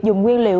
dùng nguyên liệu